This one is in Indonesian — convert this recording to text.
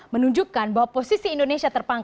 menunjukkan bahwa posisi ekonomi indonesia tidak akan menurun